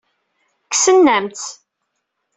Kksen-am-tt.